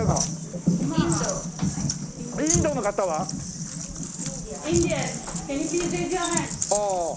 インドの方は？ああ。